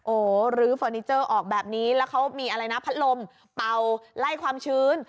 โอ้โหลื้อเฟอร์นิเจอร์ออกแบบนี้แล้วเขามีอะไรนะพัดลมเป่าไล่ความชื้น